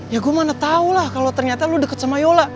ya gue mana tau lah kalau ternyata lu deket sama yola